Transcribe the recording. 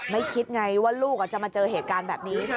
คิดไงว่าลูกจะมาเจอเหตุการณ์แบบนี้